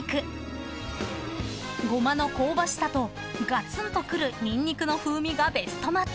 ［ゴマの香ばしさとガツンとくるニンニクの風味がベストマッチ］